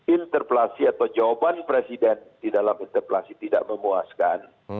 interpelasi atau jawaban presiden di dalam interpelasi tidak memuaskan